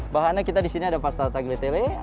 bahannya kita disini ada pasta tagliatelle